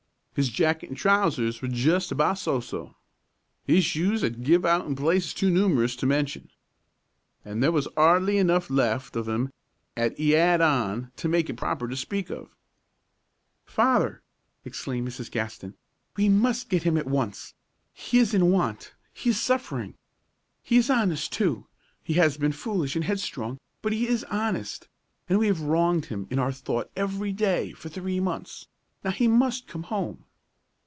His jacket an' trousers was jest about so so. 'Is shoes 'ad give out in places too numerous to mention. An' there was 'ardly enough left of the 'at 'e 'ad on to make it proper to speak of it." "Father," exclaimed Mrs. Gaston, "we must get him at once. He is in want; he is suffering! He is honest, too. He has been foolish and headstrong, but he is honest, and we have wronged him in our thought every day for three months. Now he must come home!"